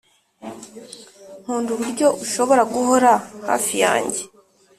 nkunda uburyo ushobora guhora hafi yanjye.